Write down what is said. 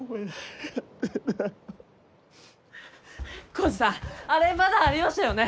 耕治さんあれまだありましたよね